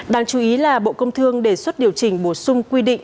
đáng chú ý là bộ công thương đề xuất điều chỉnh bổ sung quy định